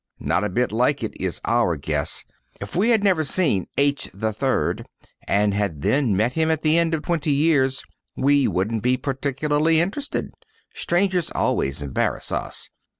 Not a bit like it is our guess. If we had never seen H, 3rd, and had then met him at the end of twenty years, we wouldn't be particularly interested. Strangers always embarrass us.